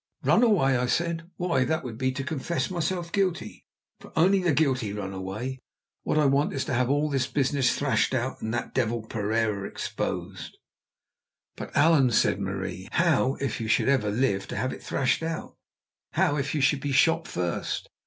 "Run away!" I said. "Why, that would be to confess myself guilty, for only the guilty run away. What I want is to have all this business thrashed out and that devil Pereira exposed." "But, Allan," said Marie, "how if you should never live to have it thrashed out? How if you should be shot first?"